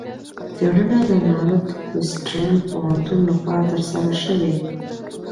څېړنه د نارت وېسټرن پوهنتون لخوا ترسره شوې.